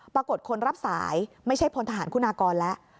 ปรากฏคนรับสายไม่ใช่พลทหารคุณากรแล้ว